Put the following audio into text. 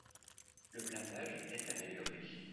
Le blindage est amélioré.